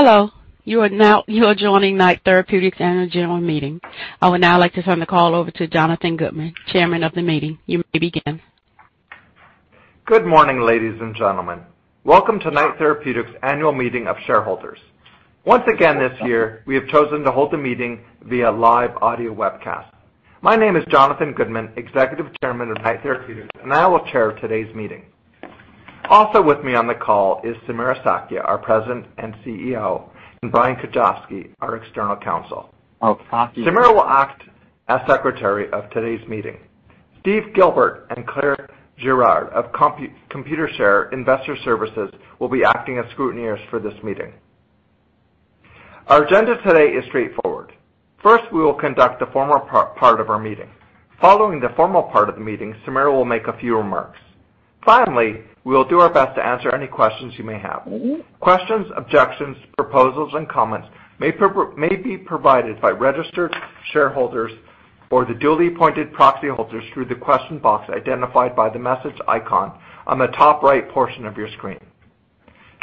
Hello. You are joining Knight Therapeutics' annual general meeting. I would now like to turn the call over to Jonathan Goodman, Chairman of the meeting. You may begin. Good morning, ladies and gentlemen. Welcome to Knight Therapeutics' annual meeting of shareholders. Once again, this year, we have chosen to hold the meeting via live audio webcast. My name is Jonathan Goodman, Executive Chairman of Knight Therapeutics, and I will chair today's meeting. Also with me on the call is Samira Sakhia, our President and CEO, and Brian Kujavsky, our external counsel. Samira will act as Secretary of today's meeting. Steve Gilbert and Claire Girard of Computershare Investor Services will be acting as scrutineers for this meeting. Our agenda today is straightforward. First, we will conduct the formal part of our meeting. Following the formal part of the meeting, Samira will make a few remarks. Finally, we will do our best to answer any questions you may have. Questions, objections, proposals, and comments may be provided by registered shareholders or the duly appointed proxy holders through the question box identified by the message icon on the top right portion of your screen.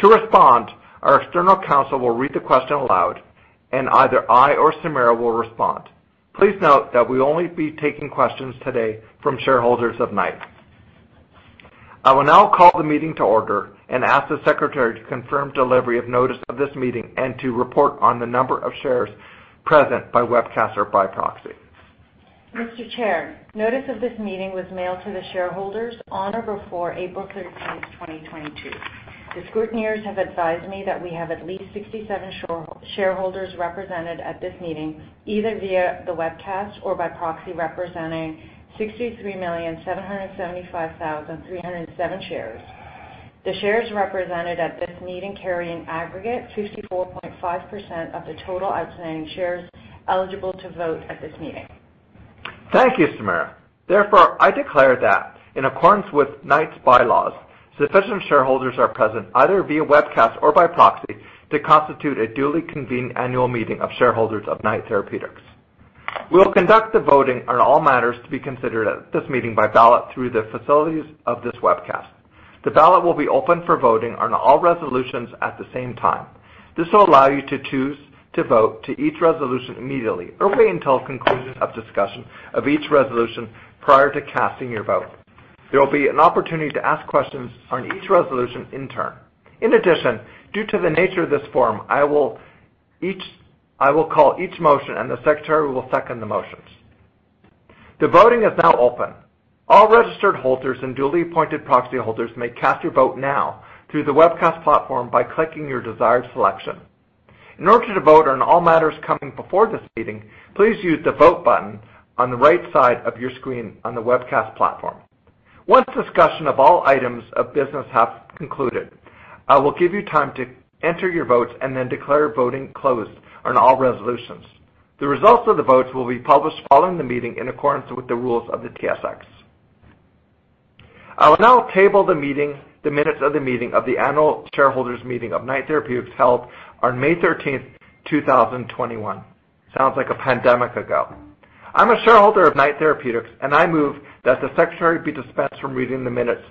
To respond, our external counsel will read the question aloud, and either I or Samira will respond. Please note that we'll only be taking questions today from shareholders of Knight. I will now call the meeting to order and ask the Secretary to confirm delivery of notice of this meeting and to report on the number of shares present by webcast or by proxy. Mr. Chair, notice of this meeting was mailed to the shareholders on or before April 13, 2022. The scrutineers have advised me that we have at least 67 shareholders represented at this meeting, either via the webcast or by proxy, representing 63,775,307 shares. The shares represented at this meeting carry an aggregate 54.5% of the total outstanding shares eligible to vote at this meeting. Thank you, Samira. Therefore, I declare that in accordance with Knight's bylaws, sufficient shareholders are present, either via webcast or by proxy, to constitute a duly convened annual meeting of shareholders of Knight Therapeutics. We will conduct the voting on all matters to be considered at this meeting by ballot through the facilities of this webcast. The ballot will be open for voting on all resolutions at the same time. This will allow you to choose to vote to each resolution immediately or wait until conclusion of discussion of each resolution prior to casting your vote. There will be an opportunity to ask questions on each resolution in turn. In addition, due to the nature of this forum, I will call each motion, and the Secretary will second the motions. The voting is now open. All registered holders and duly appointed proxy holders may cast your vote now through the webcast platform by clicking your desired selection. In order to vote on all matters coming before this meeting, please use the Vote button on the right side of your screen on the webcast platform. Once discussion of all items of business have concluded, I will give you time to enter your votes and then declare voting closed on all resolutions. The results of the votes will be published following the meeting in accordance with the rules of the TSX. I will now table the meeting, the minutes of the meeting of the annual shareholders' meeting of Knight Therapeutics held on May 13th, 2021. Sounds like a pandemic ago. I'm a shareholder of Knight Therapeutics, and I move that the Secretary be dispensed from reading the minutes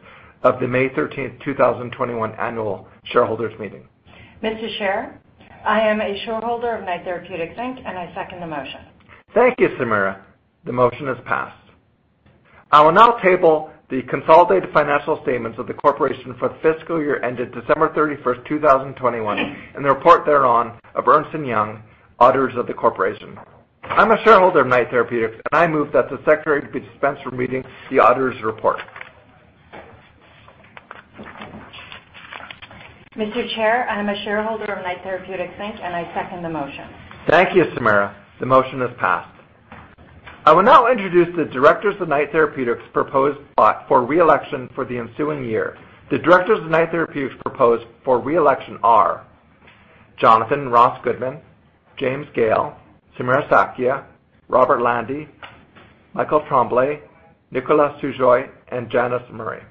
of the May 13th, 2021 annual shareholders meeting. Mr. Chair, I am a shareholder of Knight Therapeutics Inc., and I second the motion. Thank you, Samira. The motion is passed. I will now table the consolidated financial statements of the corporation for the fiscal year ended December 31, 2021, and the report thereon of Ernst & Young, auditors of the corporation. I'm a shareholder of Knight Therapeutics, and I move that the Secretary be dispensed from reading the auditor's report. Mr. Chair, I'm a shareholder of Knight Therapeutics Inc., and I second the motion. Thank you, Samira. The motion is passed. I will now introduce the directors of Knight Therapeutics proposed for reelection for the ensuing year. The directors of Knight Therapeutics proposed for reelection are Jonathan Ross Goodman, James Gale, Samira Sakhia, Robert Lande, Michael Tremblay, Nicolás Sujoy, and Janice Murray.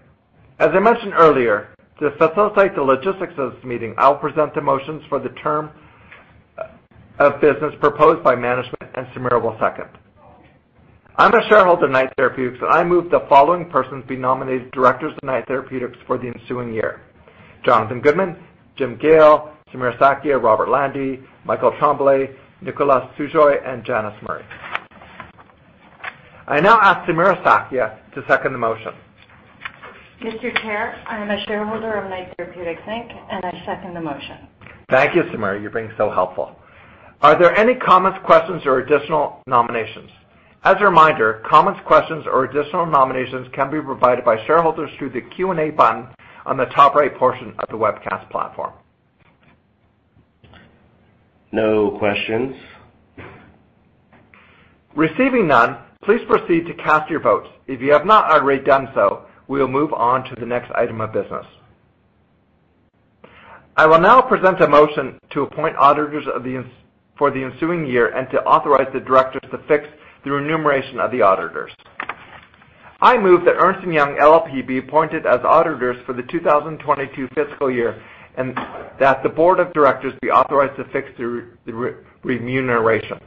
As I mentioned earlier, to facilitate the logistics of this meeting, I'll present the motions for the term of business proposed by management, and Samira will second. I'm a shareholder of Knight Therapeutics, and I move the following persons be nominated directors of Knight Therapeutics for the ensuing year: Jonathan Goodman, Jim Gale, Samira Sakhia, Robert Lande, Michael Tremblay, Nicolás Sujoy, and Janice Murray. I now ask Samira Sakhia to second the motion. Mr. Chair, I am a shareholder of Knight Therapeutics Inc., and I second the motion. Thank you, Samira. You're being so helpful. Are there any comments, questions, or additional nominations? As a reminder, comments, questions, or additional nominations can be provided by shareholders through the Q&A button on the top right portion of the webcast platform. No questions. Receiving none, please proceed to cast your votes. If you have not already done so, we will move on to the next item of business. I will now present a motion to appoint auditors for the ensuing year and to authorize the directors to fix the remuneration of the auditors. I move that Ernst & Young LLP be appointed as auditors for the 2022 fiscal year and that the board of directors be authorized to fix the remuneration.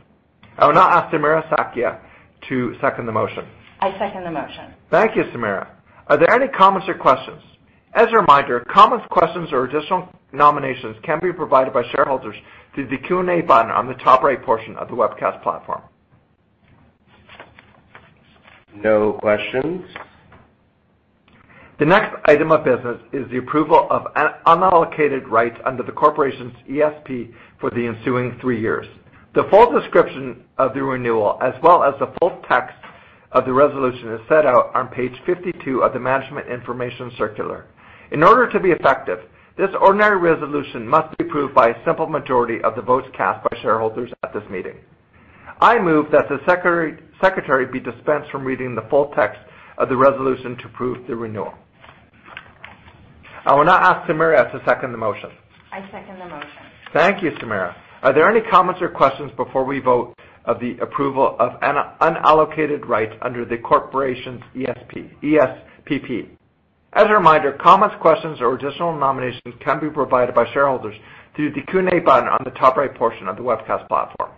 I will now ask Samira Sakhia to second the motion. I second the motion. Thank you, Samira. Are there any comments or questions? As a reminder, comments, questions, or additional nominations can be provided by shareholders through the Q&A button on the top right portion of the webcast platform. No questions. The next item of business is the approval of an unallocated rights under the corporation's ESPP for the ensuing three years. The full description of the renewal, as well as the full text of the resolution, is set out on Page 52 of the management information circular. In order to be effective, this ordinary resolution must be approved by a simple majority of the votes cast by shareholders at this meeting. I move that the secretary be dispensed from reading the full text of the resolution to approve the renewal. I will now ask Samira to second the motion. I second the motion. Thank you, Samira. Are there any comments or questions before we vote of the approval of an unallocated right under the corporation's ESPP? As a reminder, comments, questions or additional nominations can be provided by shareholders through the Q&A button on the top right portion of the webcast platform.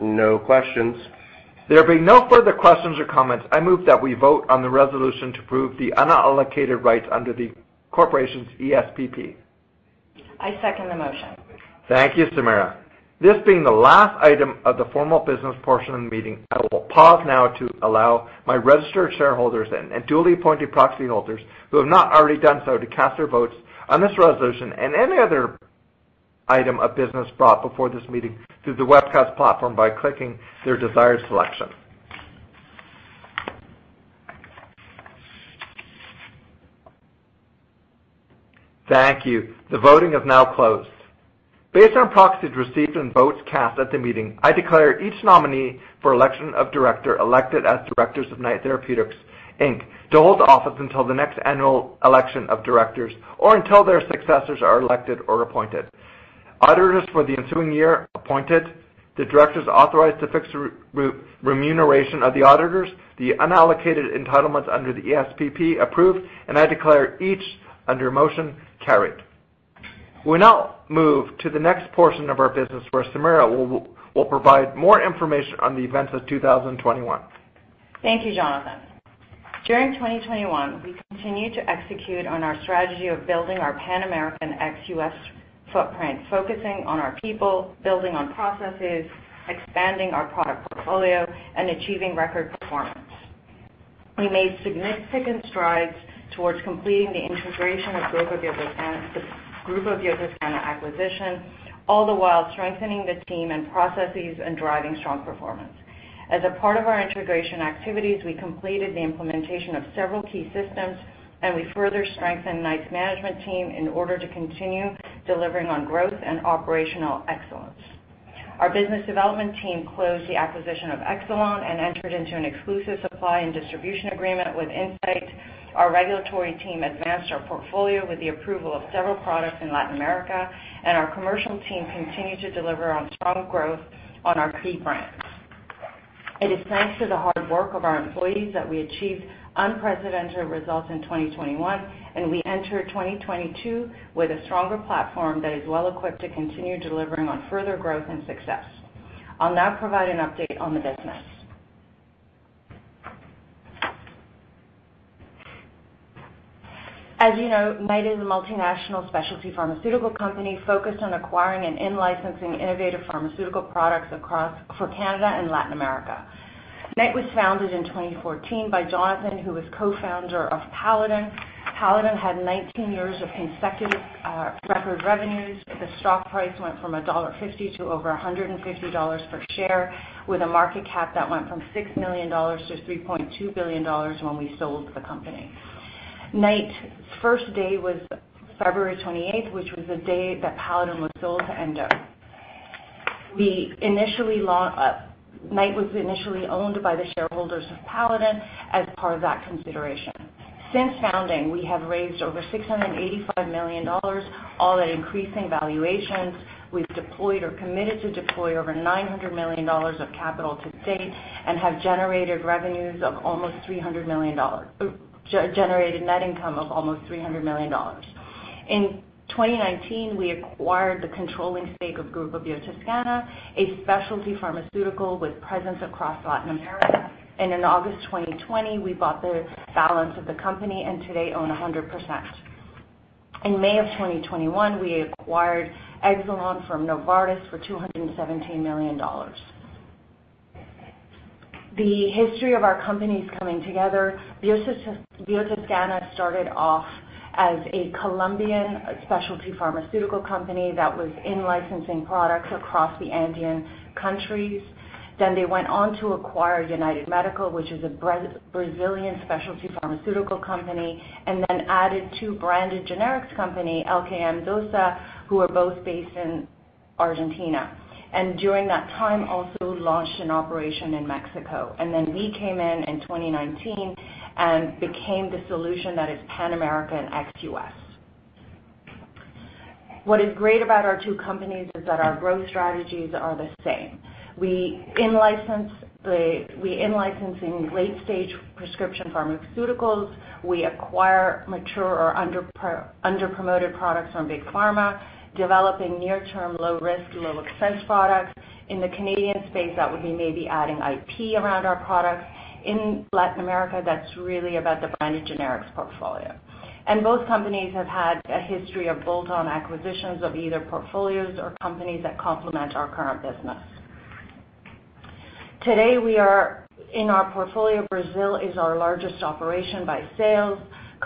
No questions. There being no further questions or comments, I move that we vote on the resolution to approve the unallocated rights under the corporation's ESPP. I second the motion. Thank you, Samira. This being the last item of the formal business portion of the meeting, I will pause now to allow my registered shareholders and duly appointed proxy holders who have not already done so to cast their votes on this resolution and any other item of business brought before this meeting through the webcast platform by clicking their desired selection. Thank you. The voting is now closed. Based on proxies received and votes cast at the meeting, I declare each nominee for election of director elected as directors of Knight Therapeutics Inc. to hold office until the next annual election of directors or until their successors are elected or appointed. Auditors for the ensuing year appointed, the directors authorized to fix remuneration of the auditors, the unallocated entitlements under the ESPP approved, and I declare each motion carried. We now move to the next portion of our business, where Samira will provide more information on the events of 2021. Thank you, Jonathan. During 2021, we continued to execute on our strategy of building our pan-American ex-U.S .footprint, focusing on our people, building on processes, expanding our product portfolio and achieving record performance. We made significant strides towards completing the integration of Grupo Biotoscana, the Grupo Biotoscana acquisition, all the while strengthening the team and processes and driving strong performance. As a part of our integration activities, we completed the implementation of several key systems, and we further strengthened Knight's management team in order to continue delivering on growth and operational excellence. Our business development team closed the acquisition of Exelon and entered into an exclusive supply and distribution agreement with Incyte. Our regulatory team advanced our portfolio with the approval of several products in Latin America, and our commercial team continued to deliver on strong growth on our key brands. It is thanks to the hard work of our employees that we achieved unprecedented results in 2021, and we enter 2022 with a stronger platform that is well equipped to continue delivering on further growth and success. I'll now provide an update on the business. As you know, Knight is a multinational specialty pharmaceutical company focused on acquiring and in-licensing innovative pharmaceutical products across for Canada and Latin America. Knight was founded in 2014 by Jonathan, who was co-founder of Paladin. Paladin had 19 years of consecutive record revenues. The stock price went from dollar 1.50 to over 150 dollars per share, with a market cap that went from 6 million dollars to 3.2 billion dollars when we sold the company. Knight's first day was February 28, which was the day that Paladin was sold and Knight was initially owned by the shareholders of Paladin as part of that consideration. Since founding, we have raised over 685 million dollars, all at increasing valuations. We've deployed or committed to deploy over 900 million dollars of capital to date and have generated revenues of almost 300 million dollars. Generated net income of almost 300 million dollars. In 2019, we acquired the controlling stake of Grupo Biotoscana, a specialty pharmaceutical with presence across Latin America. In August 2020, we bought the balance of the company and today own 100%. In May of 2021, we acquired Exelon from Novartis for 217 million dollars. The history of our companies coming together. Biotoscana started off as a Colombian specialty pharmaceutical company that was in-licensing products across the Andean countries. Then they went on to acquire United Medical, which is a Brazilian specialty pharmaceutical company, and then added two branded generics company, LKM DOSA, who are both based in Argentina. During that time, also launched an operation in Mexico. Then we came in in 2019 and became the solution that is pan-American ex-U.S.. What is great about our two companies is that our growth strategies are the same. We in-license late-stage prescription pharmaceuticals. We acquire mature or underpromoted products from big pharma, developing near term, low risk, low expense products. In the Canadian space, that would be maybe adding IP around our products. In Latin America, that's really about the branded generics portfolio. Both companies have had a history of bolt-on acquisitions of either portfolios or companies that complement our current business. Today, in our portfolio, Brazil is our largest operation by sales,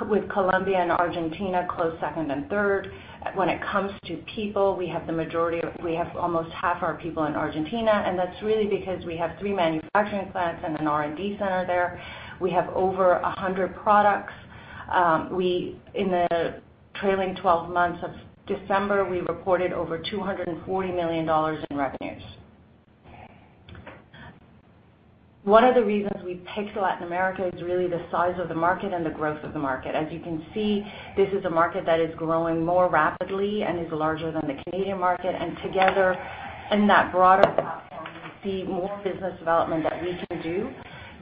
with Colombia and Argentina close second and third. When it comes to people, we have almost 1/2 our people in Argentina, and that's really because we have three manufacturing plants and an R&D center there. We have over 100 products. In the trailing 12 months of December, we reported over 240 million dollars in revenues. One of the reasons we picked Latin America is really the size of the market and the growth of the market. As you can see, this is a market that is growing more rapidly and is larger than the Canadian market, and together, in that broader platform, we see more business development that we can do.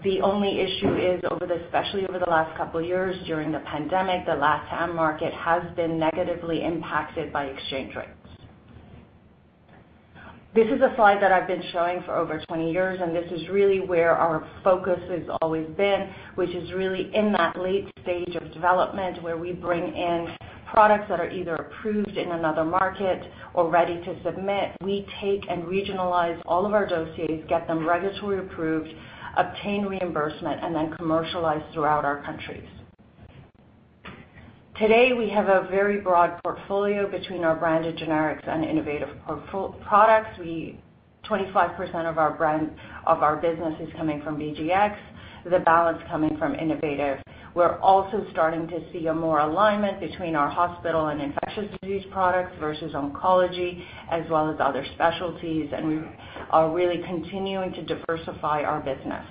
The only issue is over the, especially over the last couple years during the pandemic, the LatAm market has been negatively impacted by exchange rates. This is a Slide that I've been showing for over 20 years, and this is really where our focus has always been, which is really in that late stage of development, where we bring in products that are either approved in another market or ready to submit. We take and regionalize all of our dossiers, get them regulatory approved, obtain reimbursement, and then commercialize throughout our countries. Today, we have a very broad portfolio between our branded generics and innovative portfolio products. 25% of our business is coming from BGX, the balance coming from innovative. We're also starting to see a more alignment between our hospital and infectious disease products versus oncology, as well as other specialties, and we are really continuing to diversify our business.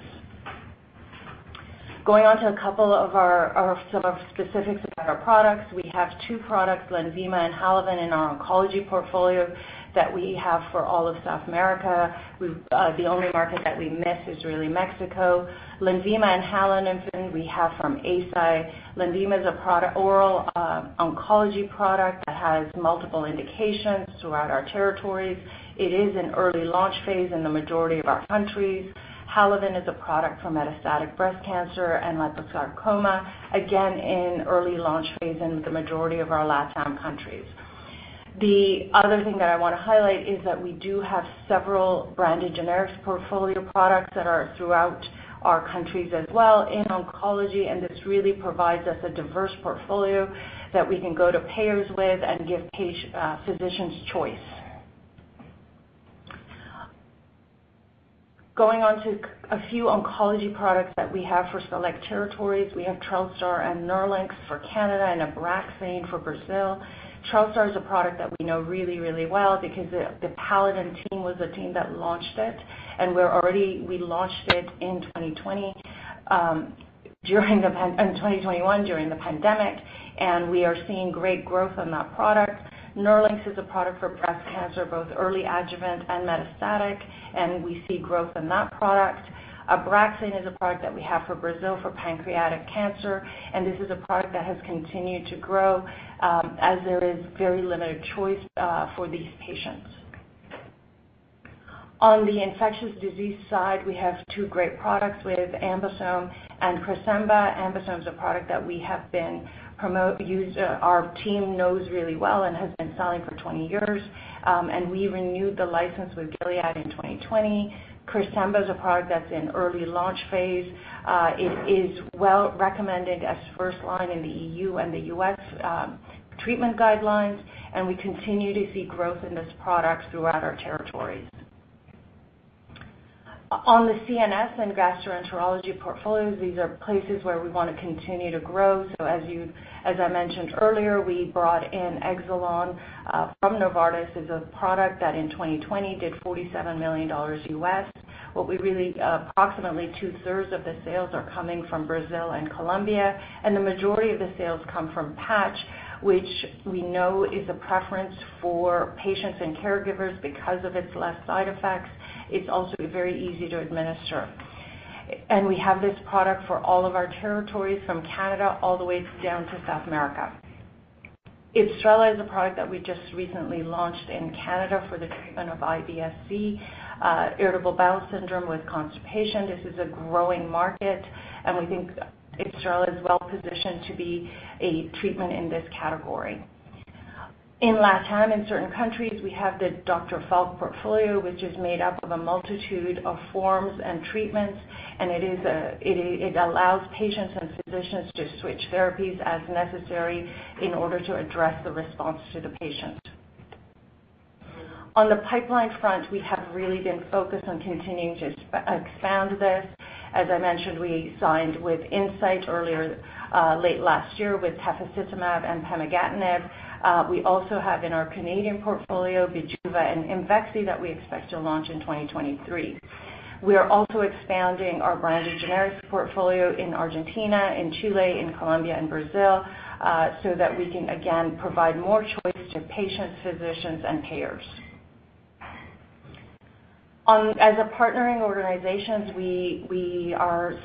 Going on to a couple of our sort of specifics about our products. We have two products, Lenvima and Halaven in our oncology portfolio that we have for all of South America. We've the only market that we miss is really Mexico. Lenvima and Halaven we have from Eisai. Lenvima is a product, oral, oncology product that has multiple indications throughout our territories. It is in early launch phase in the majority of our countries. Halaven is a product for metastatic breast cancer and liposarcoma, again, in early launch phase in the majority of our LatAm countries. The other thing that I wanna highlight is that we do have several branded generics portfolio products that are throughout our countries as well in oncology, and this really provides us a diverse portfolio that we can go to payers with and give physicians choice. Going on to a few oncology products that we have for select territories. We have Trelstar and NERLYNX for Canada and ABRAXANE for Brazil. Trelstar is a product that we know really, really well because the Paladin team was the team that launched it, and We launched it in 2020, 2021, during the pandemic, and we are seeing great growth on that product. NERLYNX is a product for breast cancer, both early adjuvant and metastatic, and we see growth in that product. ABRAXANE is a product that we have for Brazil for pancreatic cancer, and this is a product that has continued to grow, as there is very limited choice for these patients. On the infectious disease side, we have two great products with AmBisome and Cresemba. AmBisome is a product that we have been promoting. Our team knows really well and has been selling for 20 years, and we renewed the license with Gilead in 2020. Cresemba is a product that's in early launch phase. It is well recommended as first line in the E.U. and the U.S. treatment guidelines, and we continue to see growth in this product throughout our territories. On the CNS and gastroenterology portfolios, these are places where we wanna continue to grow. As I mentioned earlier, we brought in Exelon from Novartis. It's a product that in 2020 did $47 million. What we really approximately 2/3 of the sales are coming from Brazil and Colombia, and the majority of the sales come from patch, which we know is a preference for patients and caregivers because of its less side effects. It's also very easy to administer. We have this product for all of our territories, from Canada all the way down to South America. IBSRELA is a product that we just recently launched in Canada for the treatment of IBS-C, irritable bowel syndrome with constipation. This is a growing market, and we think IBSRELA is well-positioned to be a treatment in this category. In LatAm, in certain countries, we have the Dr. Falk portfolio, which is made up of a multitude of forms and treatments, and it allows patients and physicians to switch therapies as necessary in order to address the response to the patient. On the pipeline front, we have really been focused on continuing to expand this. As I mentioned, we signed with Incyte earlier, late last year with tafasitamab and pemigatinib. We also have in our Canadian portfolio BIJUVA and IMVEXXY that we expect to launch in 2023. We are also expanding our branded generics portfolio in Argentina, in Chile, in Colombia, and Brazil, so that we can again provide more choice to patients, physicians, and payers. As a partnering organizations, we are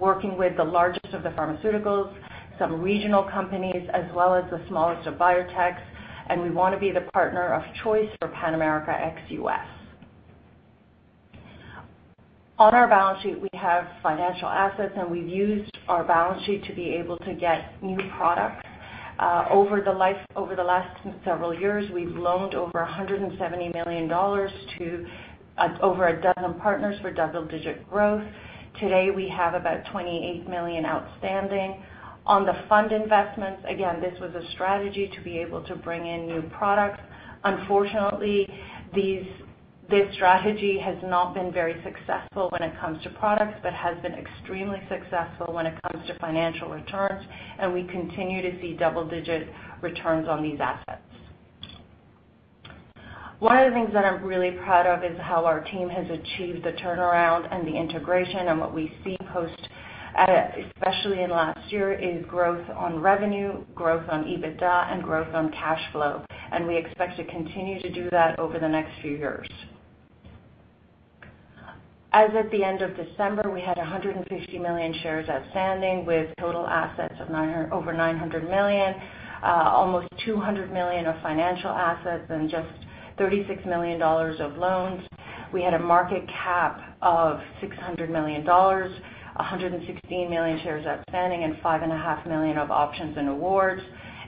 working with the largest of the pharmaceuticals, some regional companies, as well as the smallest of biotechs, and we wanna be the partner of choice for pan-American ex-U.S.. On our balance sheet, we have financial assets, and we've used our balance sheet to be able to get new products. Over the last several years, we've loaned over 170 million dollars to over a dozen partners for double-digit growth. Today, we have about 28 million outstanding. On the fund investments, again, this was a strategy to be able to bring in new products. Unfortunately, this strategy has not been very successful when it comes to products, but has been extremely successful when it comes to financial returns, and we continue to see double-digit returns on these assets. One of the things that I'm really proud of is how our team has achieved the turnaround and the integration and what we see post-acquisition, especially in last year, is growth on revenue, growth on EBITDA, and growth on cash flow. We expect to continue to do that over the next few years. As of the end of December, we had 150 million shares outstanding with total assets of over 900 million, almost 200 million of financial assets, and just 36 million dollars of loans. We had a market cap of 600 million dollars, 116 million shares outstanding, and 5.5 million of options and awards.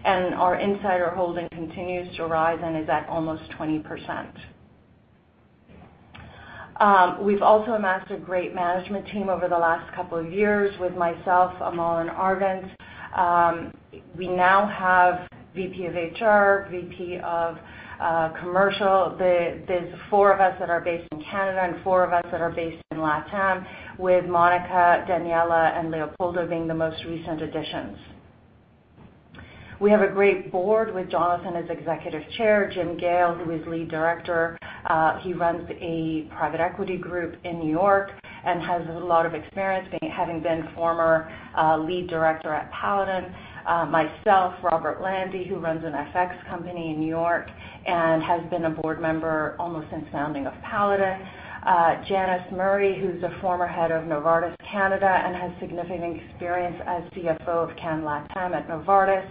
Our insider holding continues to rise and is at almost 20%. We've also amassed a great management team over the last couple of years with myself, Amal, and Arvind. We now have VP of HR, VP of commercial. There's four of us that are based in Canada and four of us that are based in LatAm, with Monica, Daniella, and Leopoldo being the most recent additions. We have a great board with Jonathan as Executive Chairman. Jim Gale, who is Lead Director, he runs a private equity group in New York and has a lot of experience having been former lead director at Paladin. Myself. Robert Lande, who runs an FX company in New York and has been a board member almost since founding of Paladin. Janice Murray, who's a former head of Novartis Canada and has significant experience as CFO of Can LatAm at Novartis.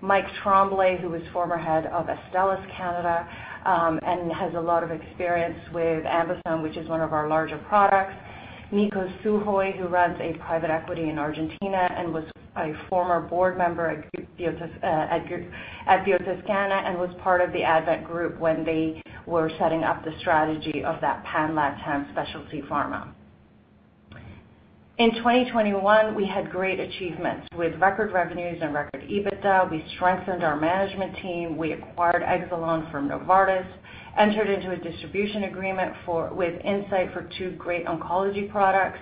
Mike Tremblay, who is former head of Astellas Canada, and has a lot of experience with AmBisome, which is one of our larger products. Nico Suhoi, who runs a private equity in Argentina and was a former board member at Grupo Biotoscana and was part of the Advent when they were setting up the strategy of that Pan LatAm specialty pharma. In 2021, we had great achievements with record revenues and record EBITDA. We strengthened our management team. We acquired Exelon from Novartis, entered into a distribution agreement with Incyte for two great oncology products,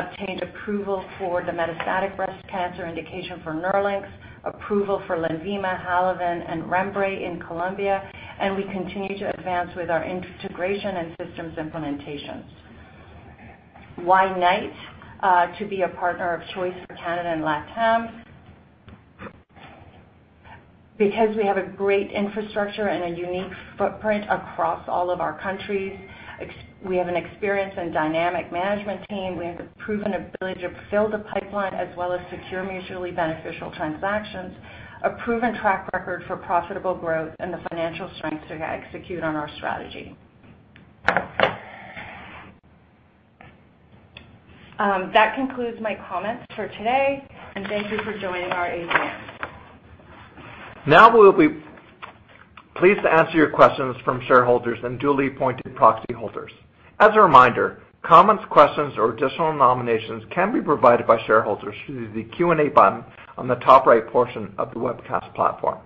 obtained approval for the metastatic breast cancer indication for NERLYNX, approval for LENVIMA, HALAVEN, and Rembre in Colombia, and we continue to advance with our integration and systems implementations. Why Knight to be a partner of choice for Canada and LatAm? Because we have a great infrastructure and a unique footprint across all of our countries. We have an experienced and dynamic management team. We have the proven ability to fill the pipeline as well as secure mutually beneficial transactions, a proven track record for profitable growth, and the financial strength to execute on our strategy. That concludes my comments for today, and thank you for joining our AGM. Now we'll be pleased to answer your questions from shareholders and duly appointed proxy holders. As a reminder, comments, questions, or additional nominations can be provided by shareholders through the Q&A button on the top right portion of the webcast platform.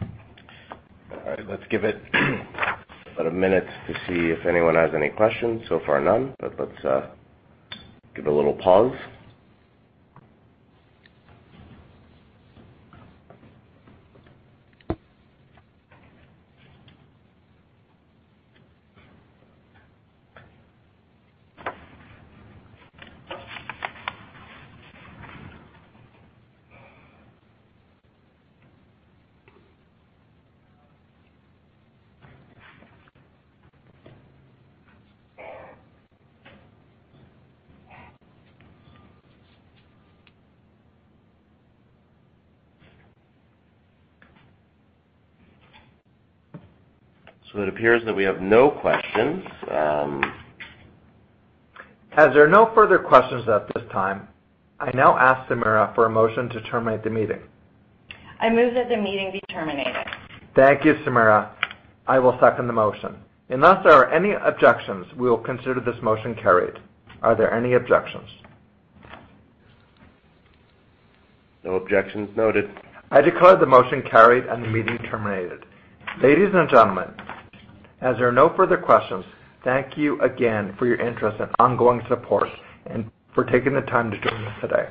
All right, let's give it about a minute to see if anyone has any questions. So far, none, but let's give it a little pause. It appears that we have no questions. As there are no further questions at this time, I now ask Samira for a motion to terminate the meeting. I move that the meeting be terminated. Thank you, Samira. I will second the motion. Unless there are any objections, we will consider this motion carried. Are there any objections? No objections noted. I declare the motion carried and the meeting terminated. Ladies and gentlemen, as there are no further questions, thank you again for your interest and ongoing support and for taking the time to join us today.